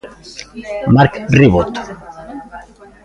Marc Ribot.